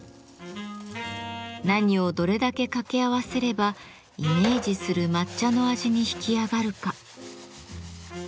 何をどれだけ掛け合わせればイメージする抹茶の味に引き上がるか。